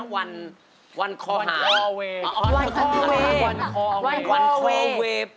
วันวันคอหาวันคอเวย์อ๋อวันคอเวย์วันคอเวย์